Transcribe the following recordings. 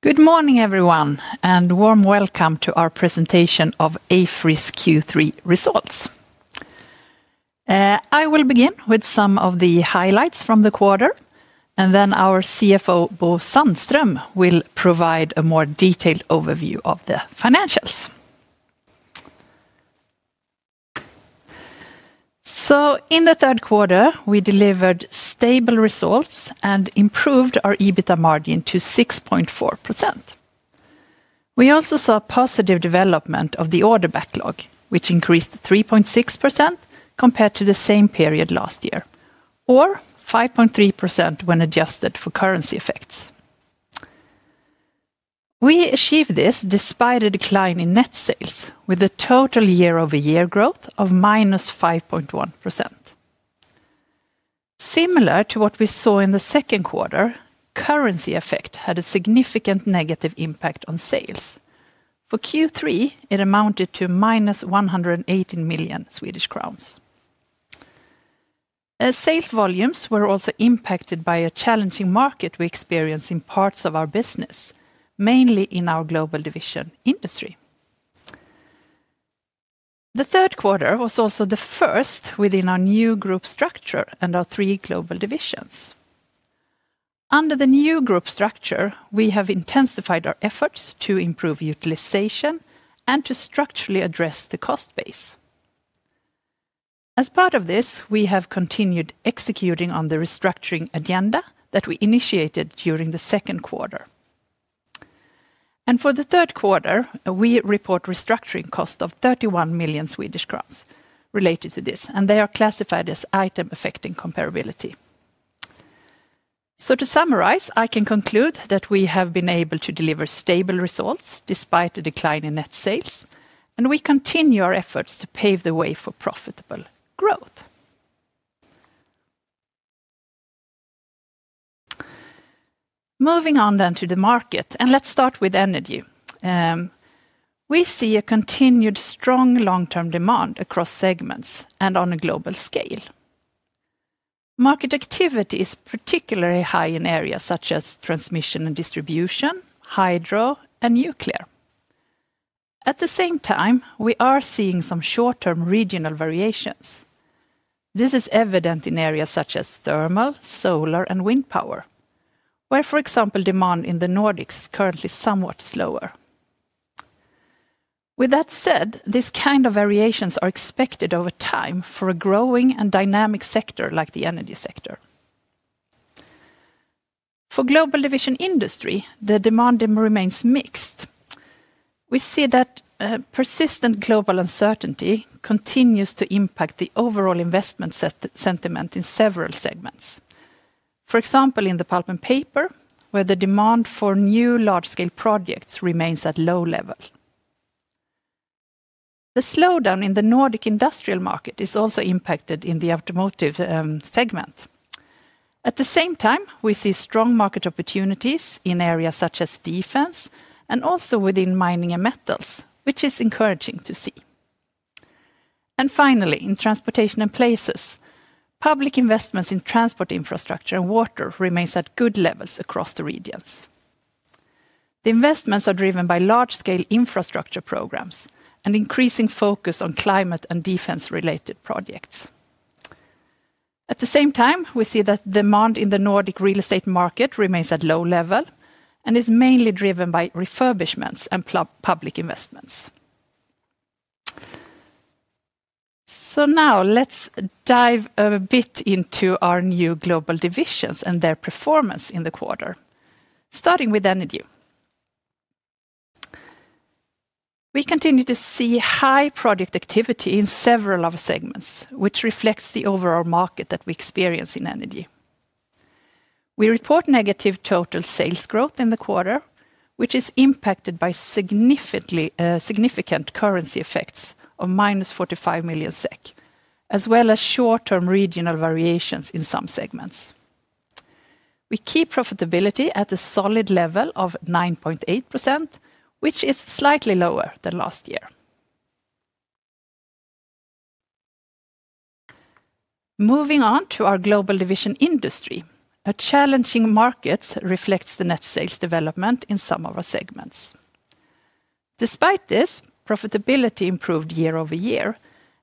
Good morning, everyone, and a warm welcome to our presentation of AFRY's Q3 results. I will begin with some of the highlights from the quarter, and then our CFO, Bo Sandström, will provide a more detailed overview of the financials. In the third quarter, we delivered stable results and improved our EBITDA margin to 6.4%. We also saw a positive development of the order backlog, which increased 3.6% compared to the same period last year, or 5.3% when adjusted for currency effects. We achieved this despite a decline in net sales, with a total year-over-year growth of -5.1%. Similar to what we saw in the second quarter, currency effect had a significant negative impact on sales. For Q3, it amounted to -118 million Swedish crowns. Sales volumes were also impacted by a challenging market we experience in parts of our business, mainly in our global division, Industry. The third quarter was also the first within our new group structure and our three global divisions. Under the new group structure, we have intensified our efforts to improve utilization and to structurally address the cost base. As part of this, we have continued executing on the restructuring agenda that we initiated during the second quarter. For the third quarter, we report restructuring costs of 31 million Swedish crowns related to this, and they are classified as items affecting comparability. To summarize, I can conclude that we have been able to deliver stable results despite a decline in net sales, and we continue our efforts to pave the way for profitable growth. Moving on then to the market, and let's start with energy. We see a continued strong long-term demand across segments and on a global scale. Market activity is particularly high in areas such as transmission and distribution, hydro, and nuclear. At the same time, we are seeing some short-term regional variations. This is evident in areas such as thermal, solar, and wind power, where, for example, demand in the Nordics is currently somewhat slower. With that said, these kinds of variations are expected over time for a growing and dynamic sector like the energy sector. For global division Industry, the demand remains mixed. We see that persistent global uncertainty continues to impact the overall investment sentiment in several segments. For example, in the pulp and paper, where the demand for new large-scale projects remains at a low level. The slowdown in the Nordic industrial market is also impacted in the automotive segment. At the same time, we see strong market opportunities in areas such as defense and also within mining and metals, which is encouraging to see. Finally, in transportation and places, public investments in transport infrastructure and water remain at good levels across the regions. The investments are driven by large-scale infrastructure programs and increasing focus on climate and defense-related projects. At the same time, we see that demand in the Nordic real estate market remains at a low level and is mainly driven by refurbishments and public investments. Now, let's dive a bit into our new global divisions and their performance in the quarter, starting with energy. We continue to see high project activity in several other segments, which reflects the overall market that we experience in energy. We report negative total sales growth in the quarter, which is impacted by significant currency effects of -45 million SEK, as well as short-term regional variations in some segments. We keep profitability at a solid level of 9.8%, which is slightly lower than last year. Moving on to our global division Industry, a challenging market reflects the net sales development in some of our segments. Despite this, profitability improved year-over-year,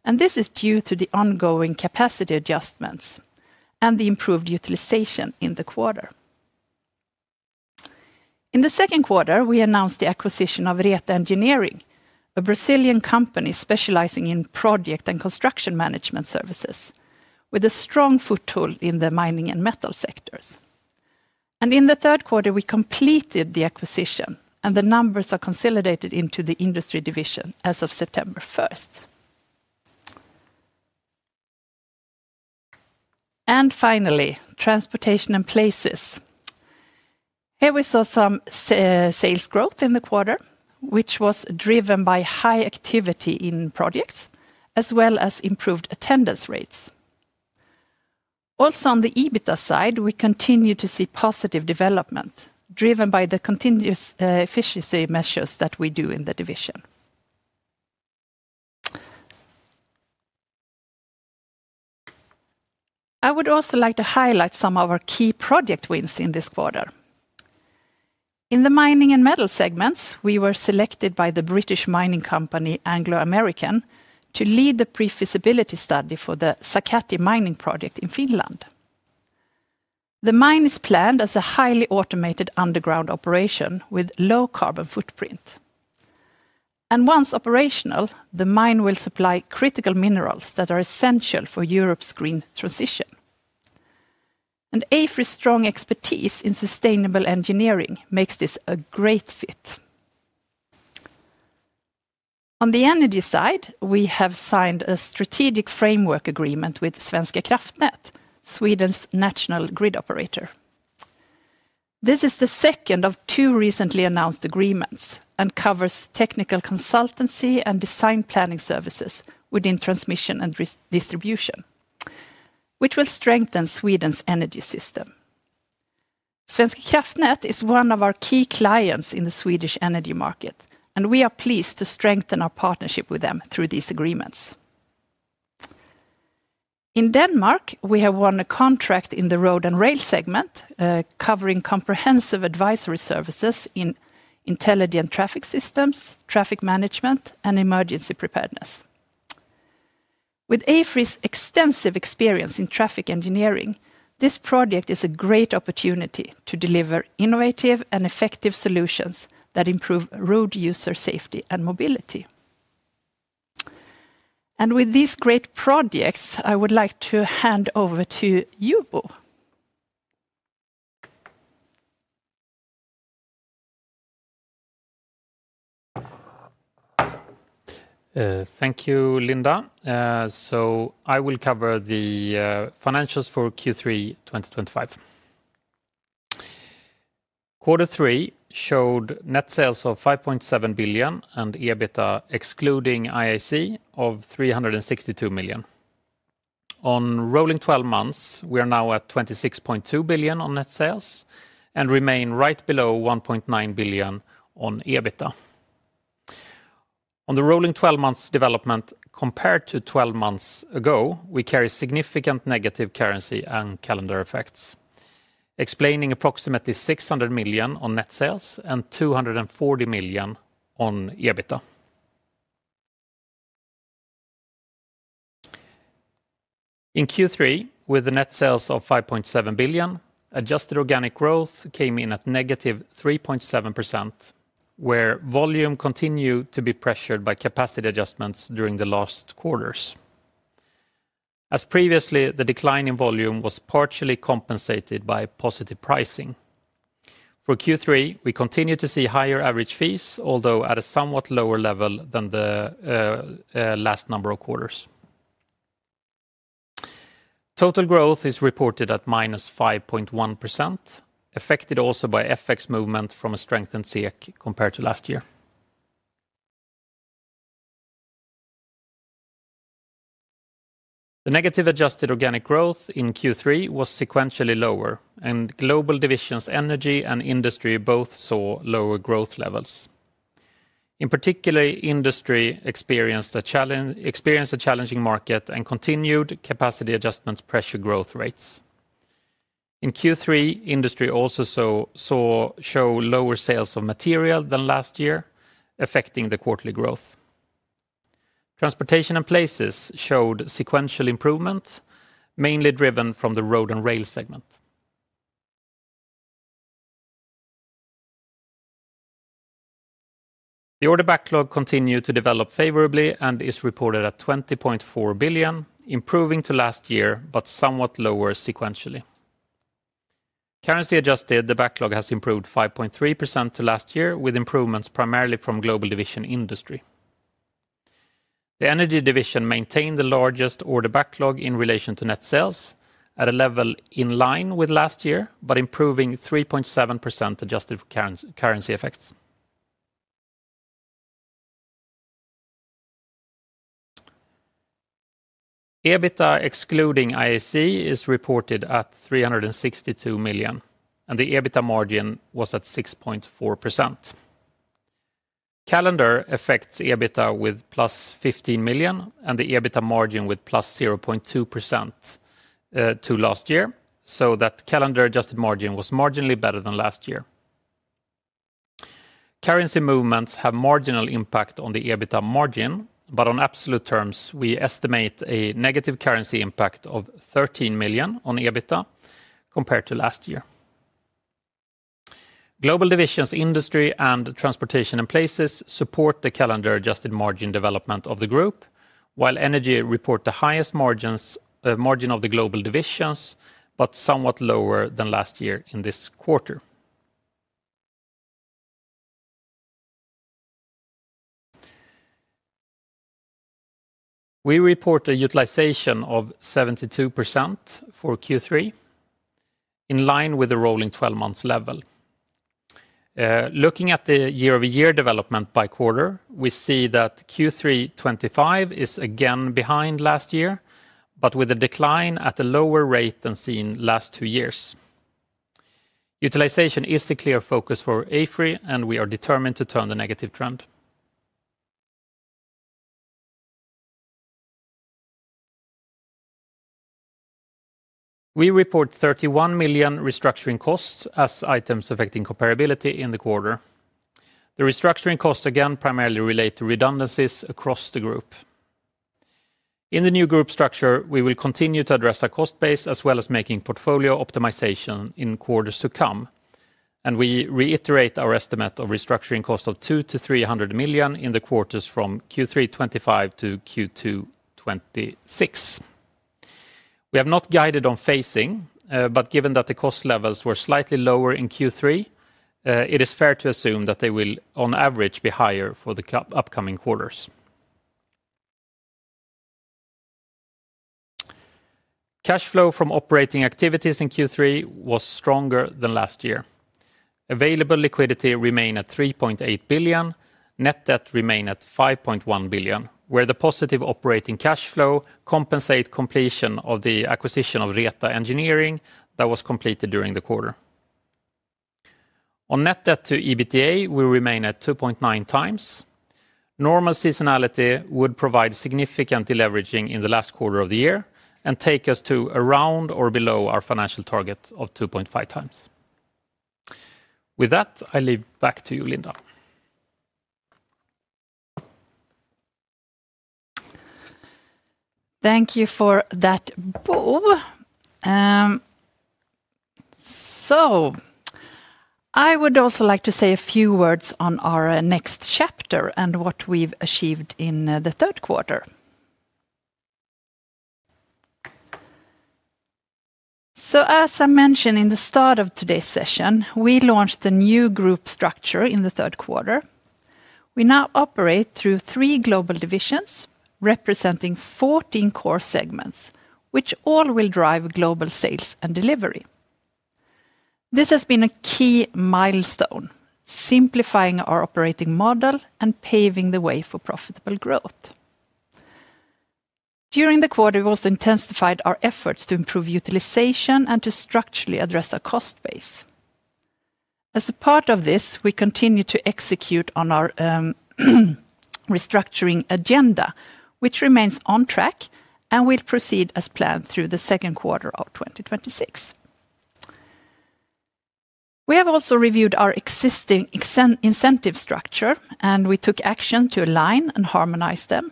and this is due to the ongoing capacity adjustments and the improved utilization in the quarter. In the second quarter, we announced the acquisition of Reta Engenharia, a Brazilian company specializing in project and construction management services, with a strong foothold in the mining and metal sectors. In the third quarter, we completed the acquisition, and the numbers are consolidated into the Industry division as of September 1st. Finally, transportation and places. Here we saw some sales growth in the quarter, which was driven by high activity in projects as well as improved attendance rates. Also, on the EBITDA side, we continue to see positive development driven by the continuous efficiency measures that we do in the division. I would also like to highlight some of our key project wins in this quarter. In the mining and metal segments, we were selected by the British mining company, Anglo American, to lead the pre-feasibility study for the Sakatti mining project in Finland. The mine is planned as a highly automated underground operation with a low carbon footprint. Once operational, the mine will supply critical minerals that are essential for Europe's green transition. AFRY's strong expertise in sustainable engineering makes this a great fit. On the energy side, we have signed a strategic framework agreement with Svenska Kraftnät, Sweden's national grid operator. This is the second of two recently announced agreements and covers technical consultancy and design planning services within transmission and distribution, which will strengthen Sweden's energy system. Svenska Kraftnät is one of our key clients in the Swedish energy market, and we are pleased to strengthen our partnership with them through these agreements. In Denmark, we have won a contract in the road and rail segment, covering comprehensive advisory services in intelligent traffic systems, traffic management, and emergency preparedness. With AFRY's extensive experience in traffic engineering, this project is a great opportunity to deliver innovative and effective solutions that improve road user safety and mobility. With these great projects, I would like to hand over to you, Bo. Thank you, Linda. I will cover the financials for Q3 2025. Quarter three showed net sales of 5.7 billion and EBITDA, excluding IAC, of 362 million. On rolling 12 months, we are now at 26.2 billion on net sales and remain right below 1.9 billion on EBITDA. On the rolling 12 months development, compared to 12 months ago, we carry significant negative currency and calendar effects, explaining approximately 600 million on net sales and 240 million on EBITDA. In Q3, with the net sales of 5.7 billion, adjusted organic growth came in at negative 3.7%, where volume continued to be pressured by capacity adjustments during the last quarters. As previously, the decline in volume was partially compensated by positive pricing. For Q3, we continue to see higher average fees, although at a somewhat lower level than the last number of quarters. Total growth is reported at minus 5.1%, affected also by FX movement from a strengthened SEK compared to last year. The negative adjusted organic growth in Q3 was sequentially lower, and global divisions energy and industry both saw lower growth levels. In particular, industry experienced a challenging market and continued capacity adjustments to pressure growth rates. In Q3, industry also saw lower sales of material than last year, affecting the quarterly growth. Transportation and places showed sequential improvement, mainly driven from the road and rail segment. The order backlog continued to develop favorably and is reported at 20.4 billion, improving to last year, but somewhat lower sequentially. Currency-adjusted, the backlog has improved 5.3% to last year, with improvements primarily from global division industry. The energy division maintained the largest order backlog in relation to net sales at a level in line with last year, but improving 3.7% adjusted for currency effects. EBITDA excluding IAC is reported at 362 million, and the EBITDA margin was at 6.4%. Calendar affects EBITDA with +15 million, and the EBITDA margin with +0.2% to last year, so that calendar-adjusted margin was marginally better than last year. Currency movements have marginal impact on the EBITDA margin, but on absolute terms, we estimate a negative currency impact of 13 million on EBITDA compared to last year. Global divisions Industry and Transportation and Process Industries Solutions support the calendar-adjusted margin development of the group, while Energy reports the highest margin of the global divisions, but somewhat lower than last year in this quarter. We report a utilization of 72% for Q3, in line with the rolling 12 months level. Looking at the year-over-year development by quarter, we see that Q3 2025 is again behind last year, but with a decline at a lower rate than seen in the last two years. Utilization is a clear focus for AFRY, and we are determined to turn the negative trend. We report 31 million restructuring costs as items affecting comparability in the quarter. The restructuring costs again primarily relate to redundancies across the group. In the new group structure, we will continue to address our cost base as well as making portfolio optimization in quarters to come, and we reiterate our estimate of restructuring costs of 200-300 million in the quarters from Q3 2025 to Q2 2026. We have not guided on phasing, but given that the cost levels were slightly lower in Q3, it is fair to assume that they will, on average, be higher for the upcoming quarters. Cash flow from operating activities in Q3 was stronger than last year. Available liquidity remained at 3.8 billion, net debt remained at 5.1 billion, where the positive operating cash flow compensates completion of the acquisition of Reta Engineering that was completed during the quarter. On net debt to EBITDA, we remain at 2.9x. Normal seasonality would provide significant deleveraging in the last quarter of the year and take us to around or below our financial target of 2.5x. With that, I leave it back to you, Linda. Thank you for that, Bo. I would also like to say a few words on our next chapter and what we've achieved in the third quarter. As I mentioned at the start of today's session, we launched a new group structure in the third quarter. We now operate through three global divisions representing 14 core segments, which all will drive global sales and delivery. This has been a key milestone, simplifying our operating model and paving the way for profitable growth. During the quarter, we've also intensified our efforts to improve utilization and to structurally address our cost base. As a part of this, we continue to execute on our restructuring agenda, which remains on track, and we'll proceed as planned through the second quarter of 2026. We have also reviewed our existing incentive structures, and we took action to align and harmonize them.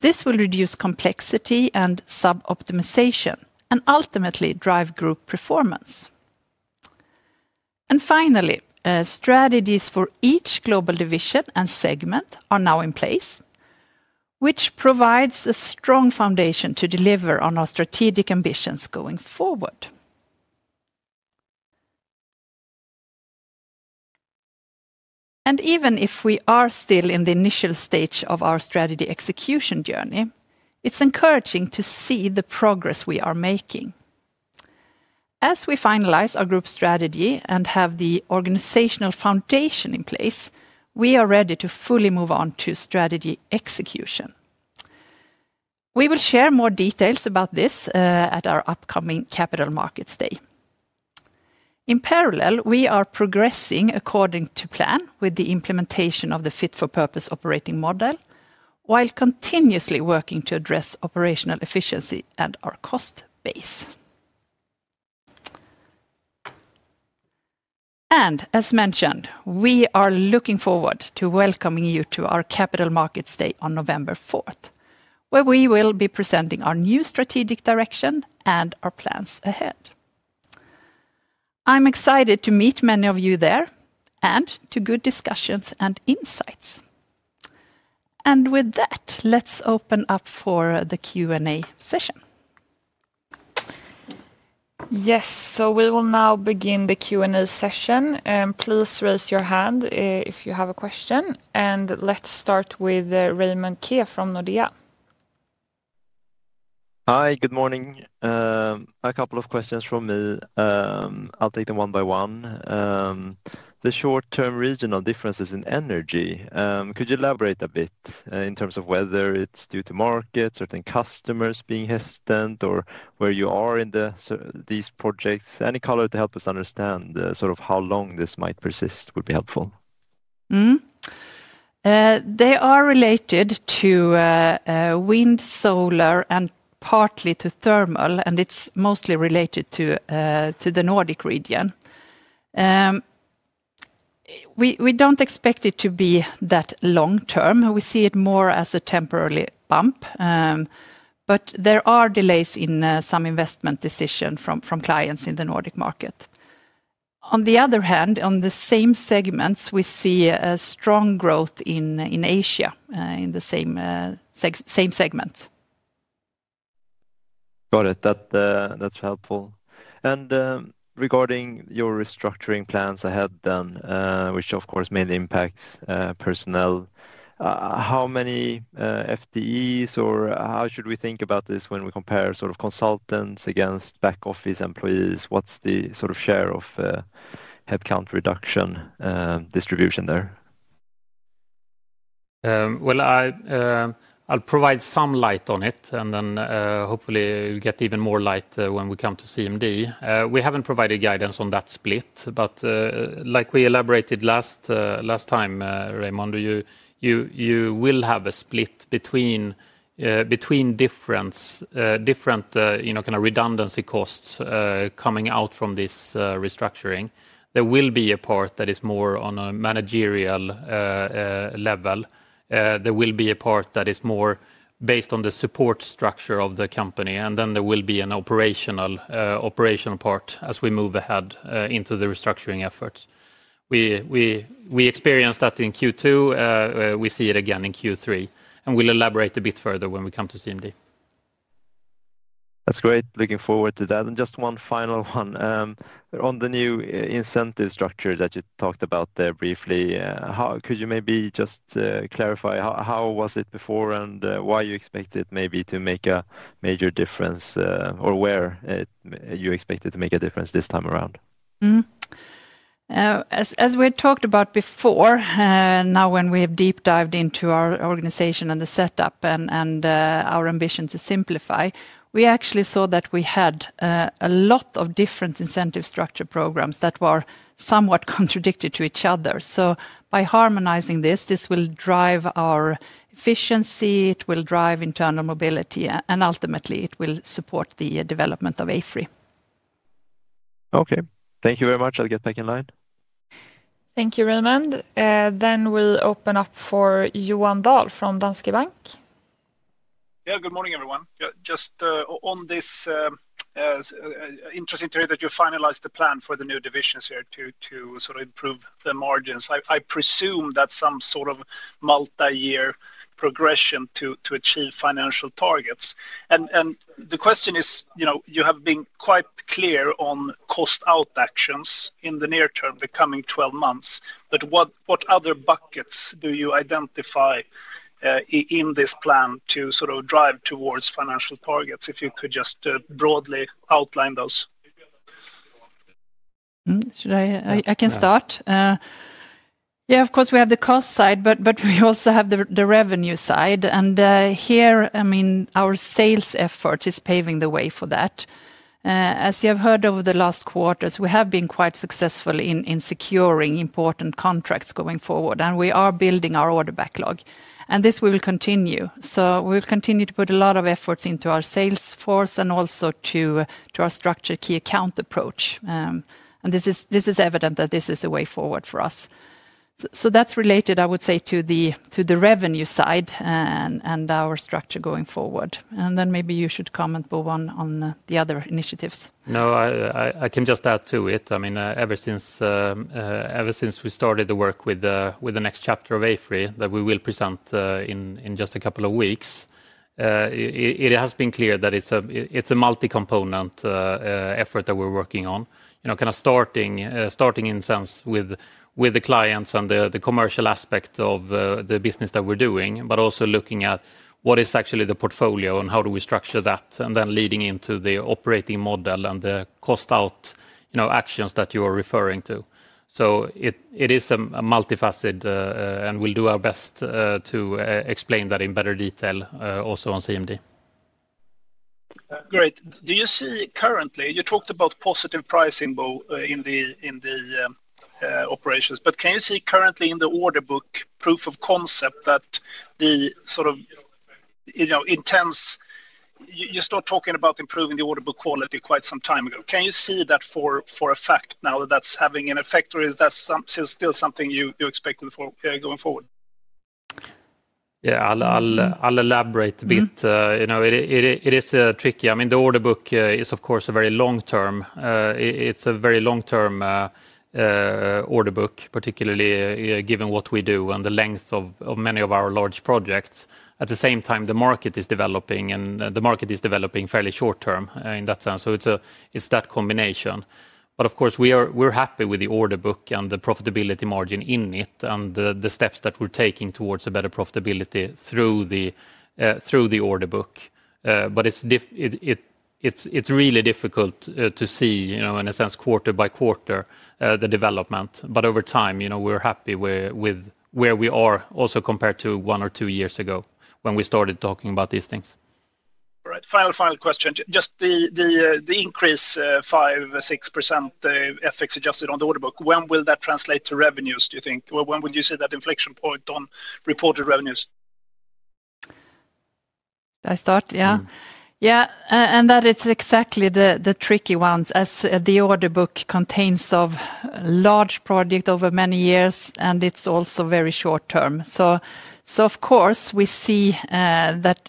This will reduce complexity and sub-optimization and ultimately drive group performance. Finally, strategies for each global division and segment are now in place, which provides a strong foundation to deliver on our strategic ambitions going forward. Even if we are still in the initial stage of our strategy execution journey, it's encouraging to see the progress we are making. As we finalize our group strategy and have the organizational foundation in place, we are ready to fully move on to strategy execution. We will share more details about this at our upcoming Capital Markets Day. In parallel, we are progressing according to plan with the implementation of the fit-for-purpose operating model, while continuously working to address operational efficiency and our cost base. As mentioned, we are looking forward to welcoming you to our Capital Markets Day on November 4th, where we will be presenting our new strategic direction and our plans ahead. I'm excited to meet many of you there and to good discussions and insights. With that, let's open up for the Q&A session. Yes, we will now begin the Q&A session. Please raise your hand if you have a question, and let's start with Raymond Ke from Nordea. Hi, good morning. A couple of questions from me. I'll take them one by one. The short-term regional differences in energy, could you elaborate a bit in terms of whether it's due to markets, certain customers being hesitant, or where you are in these projects? Any color to help us understand sort of how long this might persist would be helpful. They are related to wind, solar, and partly to thermal, and it's mostly related to the Nordic region. We don't expect it to be that long-term. We see it more as a temporary bump, but there are delays in some investment decisions from clients in the Nordic market. On the other hand, in the same segments, we see strong growth in Asia in the same segment. That's helpful. Regarding your restructuring plans ahead, which of course mainly impacts personnel, how many FTEs or how should we think about this when we compare consultants against back office employees? What's the share of headcount reduction distribution there? I'll provide some light on it, and then hopefully you'll get even more light when we come to CMD. We haven't provided guidance on that split, but like we elaborated last time, Raymond, you will have a split between different kind of redundancy costs coming out from this restructuring. There will be a part that is more on a managerial level. There will be a part that is more based on the support structure of the company, and then there will be an operational part as we move ahead into the restructuring efforts. We experienced that in Q2. We see it again in Q3, and we'll elaborate a bit further when we come to CMD. That's great. Looking forward to that. Just one final one. On the new incentive structure that you talked about there briefly, could you maybe just clarify how was it before and why you expect it maybe to make a major difference or where you expect it to make a difference this time around? As we talked about before, now when we have deep dived into our organization and the setup and our ambition to simplify, we actually saw that we had a lot of different incentive structure programs that were somewhat contradicted to each other. By harmonizing this, this will drive our efficiency, it will drive internal mobility, and ultimately it will support the development of AFRY. Okay, thank you very much. I'll get back in line. Thank you, Raymond. We will open up for Johan Dahl from Danske Bank. Good morning everyone. Just on this, interesting to hear that you finalized the plan for the new divisions here to sort of improve the margins. I presume that's some sort of multi-year progression to achieve financial targets. The question is, you have been quite clear on cost out actions in the near term, the coming 12 months, but what other buckets do you identify in this plan to sort of drive towards financial targets? If you could just broadly outline those. I can start. Of course, we have the cost side, but we also have the revenue side, and here, I mean, our sales effort is paving the way for that. As you have heard over the last quarters, we have been quite successful in securing important contracts going forward, and we are building our order backlog. This will continue. We will continue to put a lot of efforts into our sales force and also to our structured key account approach. It is evident that this is a way forward for us. That is related, I would say, to the revenue side and our structure going forward. Maybe you should comment, Bo, on the other initiatives. No, I can just add to it. I mean, ever since we started the work with the next chapter of AFRY that we will present in just a couple of weeks, it has been clear that it's a multi-component effort that we're working on. Kind of starting in a sense with the clients and the commercial aspect of the business that we're doing, but also looking at what is actually the portfolio and how do we structure that, and then leading into the operating model and the cost out actions that you are referring to. It is a multifaceted, and we'll do our best to explain that in better detail also on CMD. Great. Do you see currently, you talked about positive pricing, Bo, in the operations, but can you see currently in the order book proof of concept that the sort of intense, you start talking about improving the order book quality quite some time ago. Can you see that for effect now that that's having an effect, or is that still something you expect going forward? Yeah, I'll elaborate a bit. It is tricky. I mean, the order book is of course very long term. It's a very long-term order book, particularly given what we do and the length of many of our large projects. At the same time, the market is developing, and the market is developing fairly short term in that sense. It's that combination. Of course, we're happy with the order book and the profitability margin in it and the steps that we're taking towards a better profitability through the order book. It's really difficult to see, in a sense, quarter by quarter the development. Over time, we're happy with where we are also compared to one or two years ago when we started talking about these things. Right. Final question. Just the increase 5%, 6% FX adjusted on the order book. When will that translate to revenues, do you think? When will you see that inflection point on reported revenues? Should I start? Yeah. That is exactly the tricky ones, as the order book contains a large project over many years, and it's also very short term. Of course, we see that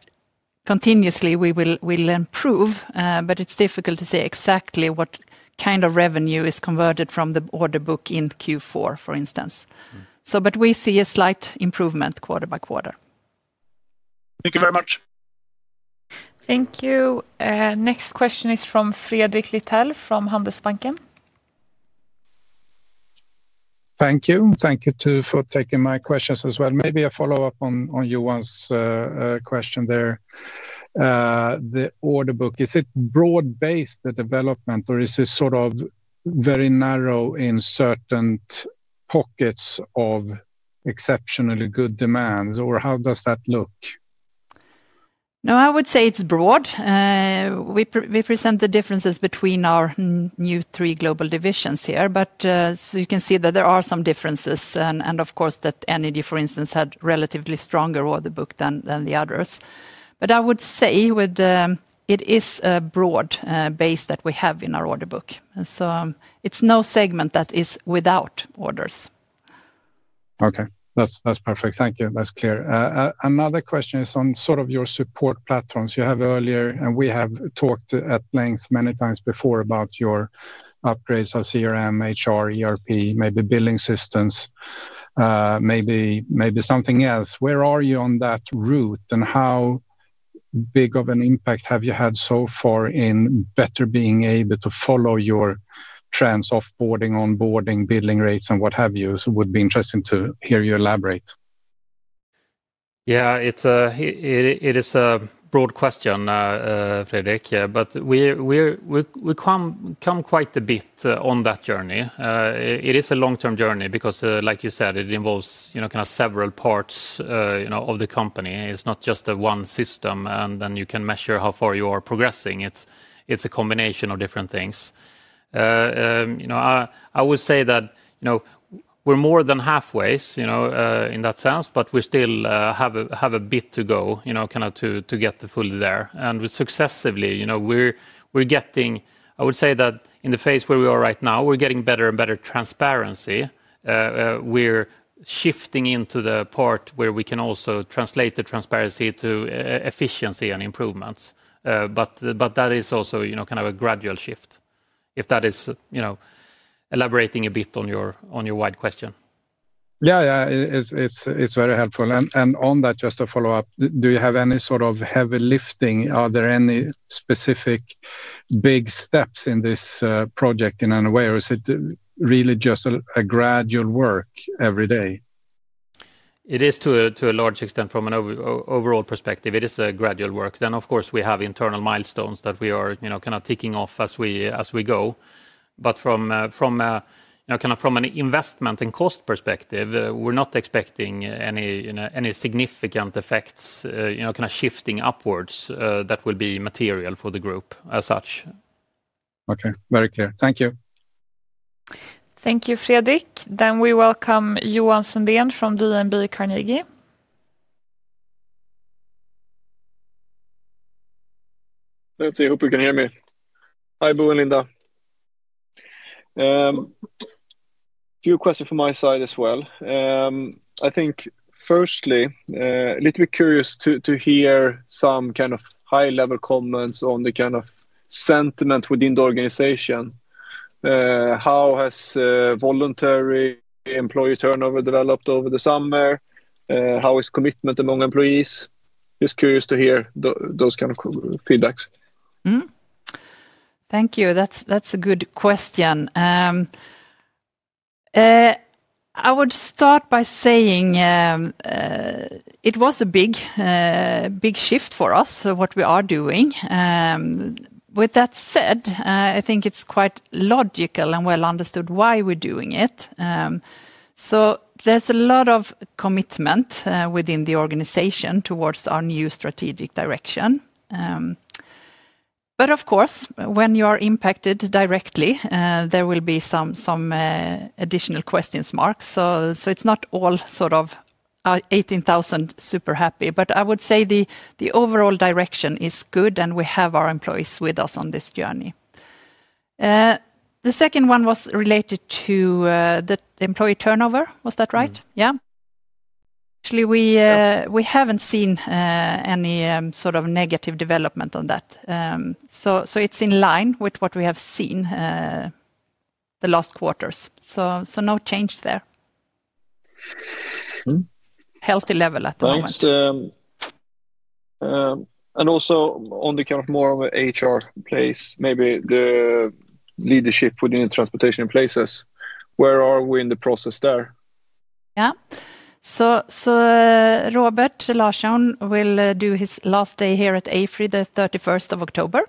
continuously we'll improve, but it's difficult to say exactly what kind of revenue is converted from the order book in Q4, for instance. We see a slight improvement quarter by quarter. Thank you very much. Thank you. Next question is from Fredrik Lithell from Handelsbanken. Thank you. Thank you too for taking my questions as well. Maybe a follow-up on Johan's question there. The order book, is it broad-based development, or is it sort of very narrow in certain pockets of exceptionally good demands, or how does that look? No, I would say it's broad. We present the differences between our new three global divisions here, but you can see that there are some differences, and of course that Energy, for instance, had a relatively stronger order book than the others. I would say it is a broad base that we have in our order book, so it's no segment that is without orders. Okay, that's perfect. Thank you. That's clear. Another question is on sort of your support platforms. You have earlier, and we have talked at length many times before about your upgrades of CRM, HR, ERP, maybe billing systems, maybe something else. Where are you on that route, and how big of an impact have you had so far in better being able to follow your trends offboarding, onboarding, billing rates, and what have you? It would be interesting to hear you elaborate. Yeah, it is a broad question, Fredrik, but we've come quite a bit on that journey. It is a long-term journey because, like you said, it involves kind of several parts of the company. It's not just one system, and then you can measure how far you are progressing. It's a combination of different things. I would say that we're more than halfway in that sense, but we still have a bit to go kind of to get fully there. Successively, we're getting, I would say that in the phase where we are right now, we're getting better and better transparency. We're shifting into the part where we can also translate the transparency to efficiency and improvements. That is also kind of a gradual shift, if that is elaborating a bit on your wide question. Yeah, it's very helpful. On that, just to follow up, do you have any sort of heavy lifting? Are there any specific big steps in this project in any way, or is it really just a gradual work every day? It is to a large extent from an overall perspective. It is a gradual work. Of course, we have internal milestones that we are kind of ticking off as we go. From an investment and cost perspective, we're not expecting any significant effects kind of shifting upwards that will be material for the group as such. Okay, very clear. Thank you. Thank you, Fredrik. We welcome Johan Sundén from DNB Carnegie. Let's see if you can hear me. Hi, Bo and Linda. A few questions from my side as well. I think firstly, a little bit curious to hear some kind of high-level comments on the kind of sentiment within the organization. How has voluntary employee turnover developed over the summer? How is commitment among employees? Just curious to hear those kind of feedbacks. Thank you. That's a good question. I would start by saying it was a big shift for us, what we are doing. With that said, I think it's quite logical and well understood why we're doing it. There's a lot of commitment within the organization towards our new strategic direction. Of course, when you are impacted directly, there will be some additional question marks. It's not all sort of 18,000 super happy, but I would say the overall direction is good, and we have our employees with us on this journey. The second one was related to the employee turnover. Was that right? Yeah? Actually, we haven't seen any sort of negative development on that. It's in line with what we have seen the last quarters. No change there. Healthy level at the moment. On the more of an HR place, maybe the leadership within the transportation places, where are we in the process there? Robert Larsson will do his last day here at AFRY on the 31st of October.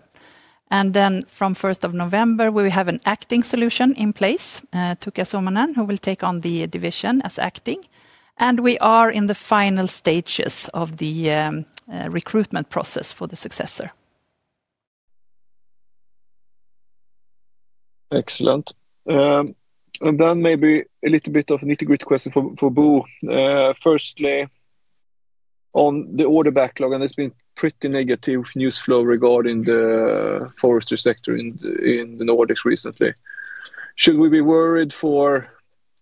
From the 1st of November, we will have an acting solution in place, Tukka Suomanen, who will take on the division as acting. We are in the final stages of the recruitment process for the successor. Excellent. Maybe a little bit of an integrated question for Bo. Firstly, on the order backlog, there's been pretty negative news flow regarding the forestry sector in the Nordics recently. Should we be worried for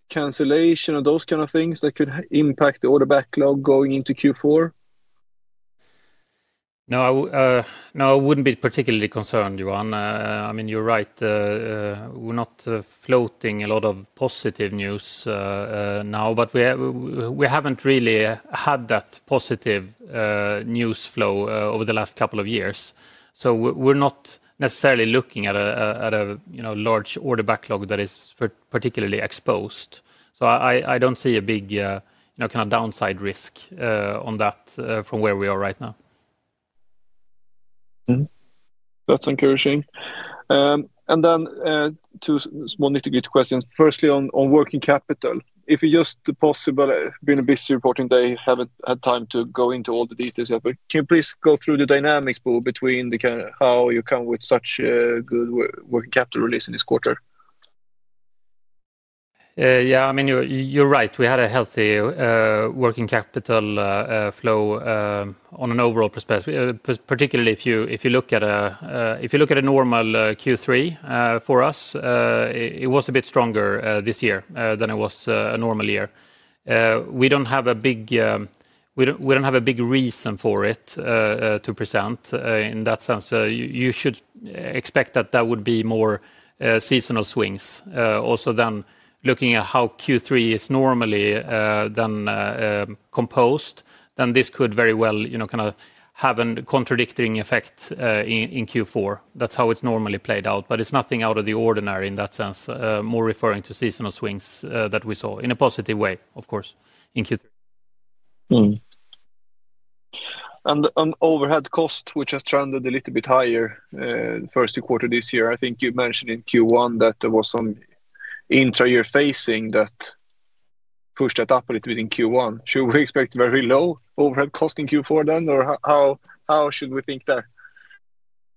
cancellation and those kind of things that could impact the order backlog going into Q4? No, I wouldn't be particularly concerned, Johan. I mean, you're right. We're not floating a lot of positive news now, but we haven't really had that positive news flow over the last couple of years. We're not necessarily looking at a large order backlog that is particularly exposed, so I don't see a big kind of downside risk on that from where we are right now. That's encouraging. Two small integrated questions. Firstly, on working capital. If it's just possible, being a busy reporting day, haven't had time to go into all the details yet, but can you please go through the dynamics, Bo, between how you come with such a good working capital release in this quarter? Yeah, I mean, you're right. We had a healthy working capital flow on an overall perspective, particularly if you look at a normal Q3 for us. It was a bit stronger this year than it was a normal year. We don't have a big reason for it to present in that sense. You should expect that that would be more seasonal swings. Also, looking at how Q3 is normally composed, this could very well kind of have a contradicting effect in Q4. That's how it's normally played out, but it's nothing out of the ordinary in that sense, more referring to seasonal swings that we saw in a positive way, of course, in Q3. On overhead cost, which has trended a little bit higher the first two quarters this year, I think you mentioned in Q1 that there was some intra-year phasing that pushed that up a little bit in Q1. Should we expect very low overhead cost in Q4 then, or how should we think there?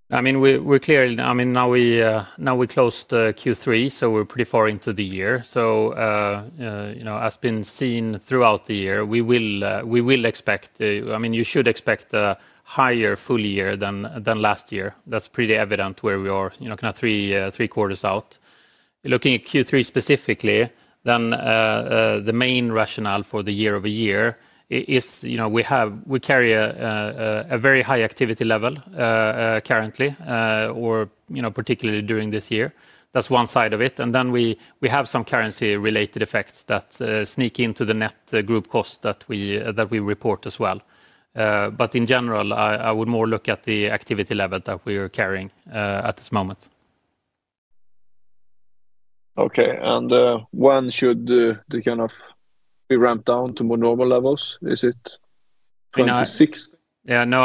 We're clearly, now we closed Q3, so we're pretty far into the year. As has been seen throughout the year, you should expect a higher full year than last year. That's pretty evident where we are, kind of three quarters out. Looking at Q3 specifically, the main rationale for the year-over-year is we carry a very high activity level currently, or particularly during this year. That's one side of it. We have some currency-related effects that sneak into the net group cost that we report as well. In general, I would more look at the activity level that we are carrying at this moment. Okay, when should the kind of be ramped down to more normal levels? Is it 2026? No,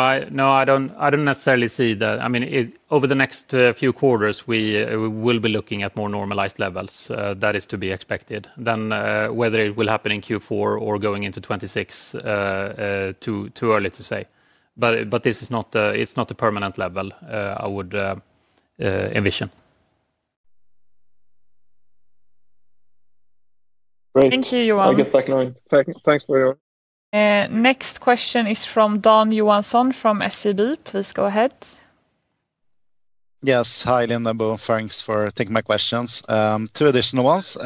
I don't necessarily see that. I mean, over the next few quarters, we will be looking at more normalized levels. That is to be expected. Whether it will happen in Q4 or going into 2026, too early to say. It's not a permanent level, I would envision it. Great. Thank you, Johan. I'll get back in line. Thanks, Bo. Next question is from Dan Johansson from SEB. Please go ahead. Yes, hi, Linda, Bo. Thanks for taking my questions. Two additional ones.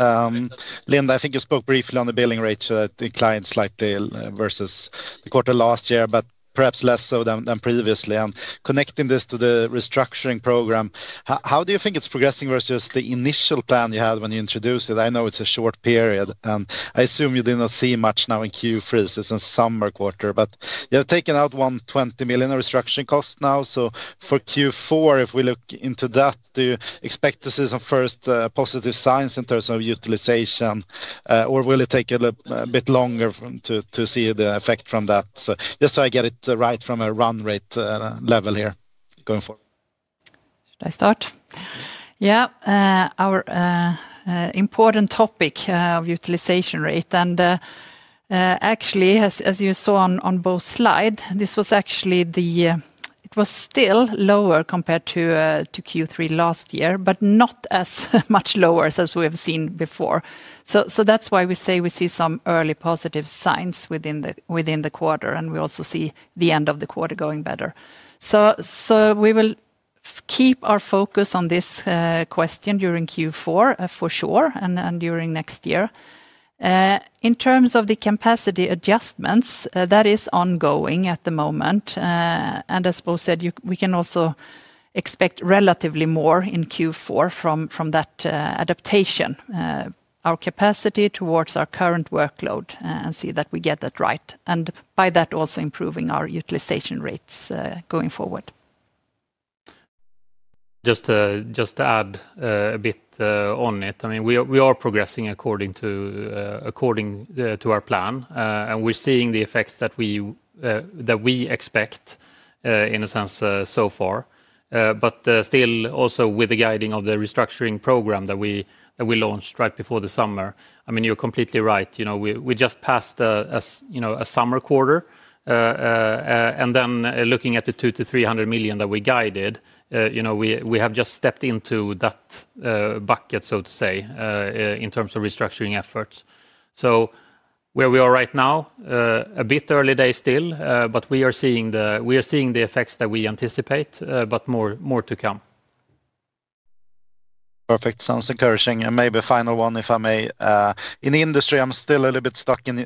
Linda, I think you spoke briefly on the billing rates that declined slightly versus the quarter last year, but perhaps less so than previously. Connecting this to the restructuring program, how do you think it's progressing versus the initial plan you had when you introduced it? I know it's a short period, and I assume you did not see much now in Q3. It's a summer quarter, but you have taken out 120 million in restructuring costs now. For Q4, if we look into that, do you expect to see some first positive signs in terms of utilization, or will it take a bit longer to see the effect from that? Just so I get it right from a run rate level here going forward. Should I start? Yeah, our important topic of utilization rate. As you saw on Bo's slide, this was actually still lower compared to Q3 last year, but not as much lower as we have seen before. That's why we say we see some early positive signs within the quarter, and we also see the end of the quarter going better. We will keep our focus on this question during Q4 for sure and during next year. In terms of the capacity adjustments, that is ongoing at the moment. As Bo said, we can also expect relatively more in Q4 from that adaptation, our capacity towards our current workload, and see that we get that right. By that, also improving our utilization rates going forward. Just to add a bit on it, I mean, we are progressing according to our plan, and we're seeing the effects that we expect in a sense so far. Also, with the guiding of the restructuring program that we launched right before the summer, I mean, you're completely right. We just passed a summer quarter, and looking at the 200-300 million that we guided, we have just stepped into that bucket, so to say, in terms of restructuring efforts. Where we are right now, a bit early day still, but we are seeing the effects that we anticipate, but more to come. Perfect. Sounds encouraging. Maybe a final one, if I may. In the industry, I'm still a little bit stuck in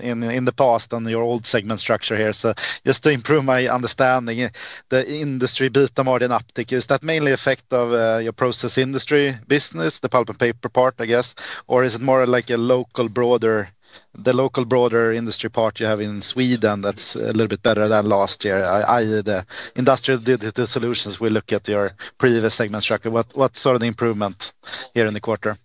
the past and your old segment structure here. Just to improve my understanding, the industry bit, the more than uptick, is that mainly effect of your process industries solutions business, the pulp and paper part, I guess, or is it more like a local broader industry part you have in Sweden that's a little bit better than last year? I.e., the industrial and digital solutions if we look at your previous segment structure. What sort of improvement here in the quarter?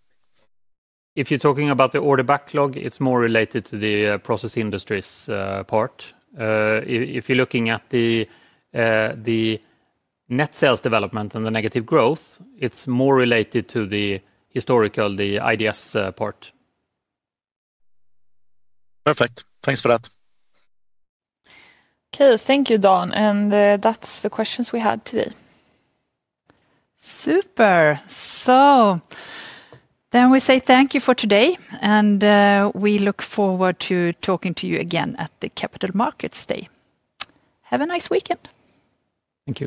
If you're talking about the order backlog, it's more related to the process industries solutions part. If you're looking at the net sales development and the negative growth, it's more related to the historical, the industrial and digital solutions part. Perfect. Thanks for that. Thank you, Dan. That's the questions we had today. Super. We say thank you for today, and we look forward to talking to you again at the Capital Markets Day. Have a nice weekend. Thank you.